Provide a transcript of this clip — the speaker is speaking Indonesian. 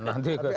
nanti ke sini